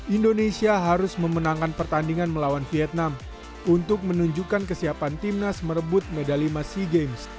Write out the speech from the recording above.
indonesia harus memenangkan pertandingan melawan vietnam untuk menunjukkan kesiapan timnas merebut medalima sea games